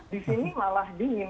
di sini malah dingin